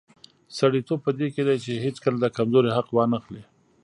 سړیتوب په دې کې دی چې هیڅکله د کمزوري حق وانخلي.